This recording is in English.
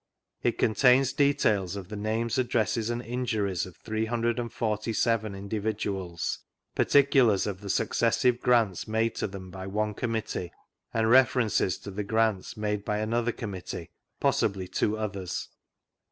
It contains details of the names, addresses, and injuries of 347 individuals, par ticulars of the successive grants made to them by one Committee, and references to the grants made by another Committee (possibly two others).